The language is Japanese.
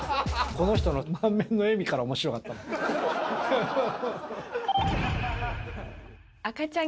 この人の満面の笑みからおもしろかったもん。